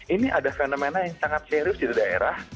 ini ada fenomena yang sangat serius di daerah